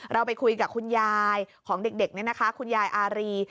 เราไปคุยกับคุณยายของเด็กนี่นะคะคุณยายอารี